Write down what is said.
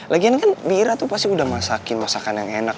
lagian kan mira tuh pasti udah masakin masakan yang enak